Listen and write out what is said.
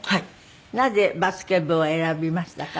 なぜバスケ部を選びましたか？